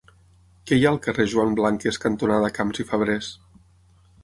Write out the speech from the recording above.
Què hi ha al carrer Joan Blanques cantonada Camps i Fabrés?